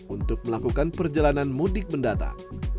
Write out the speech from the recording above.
untuk melakukan perjalanan mudik mendatang